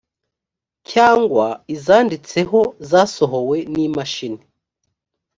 cyangwa izanditseho zasohowe n imashini